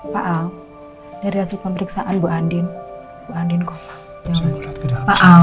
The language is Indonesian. pak al dari hasil pemeriksaan bu andien bu andien koma